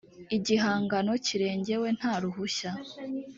igihangano kirengewe nta ruhushya